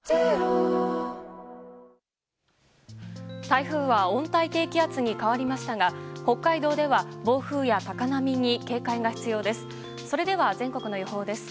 台風は温帯低気圧に変わりましたが北海道では暴風や高波に警戒が必要です。